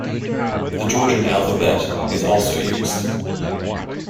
The Georgian alphabet is also used.